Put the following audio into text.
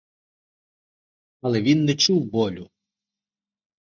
Але він не чув болю.